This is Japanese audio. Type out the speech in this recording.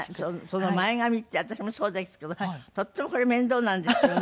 その前髪って私もそうですけどとってもこれ面倒なんですよね。